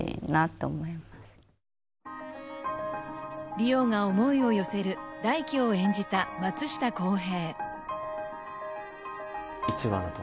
梨央が思いを寄せる大輝を演じた松下洸平